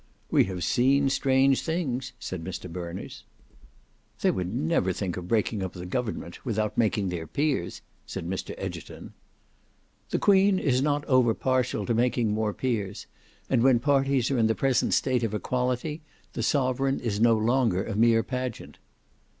"We have seen strange things," said Mr Berners. "They never would think of breaking up the government without making their peers," said Mr Egerton. "The Queen is not over partial to making more peers; and when parties are in the present state of equality, the Sovereign is no longer a mere pageant."